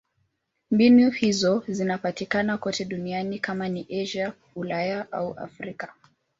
Mbinu hizo zinapatikana kote duniani: kama ni Asia, Ulaya au Afrika.